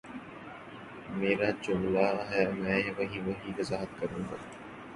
میرا جملہ ہے میں ہی وضاحت کر دوں گا